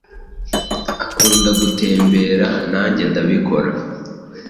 Akunda gutembera. Nanjye ndabikora.